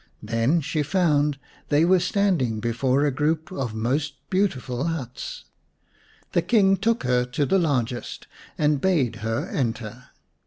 Then she found they were standing before a group of most beautiful huts. The King took her to the largest and bade her enter.